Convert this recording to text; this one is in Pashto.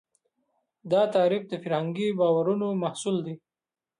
دا تعریف د فرهنګي باورونو محصول دی.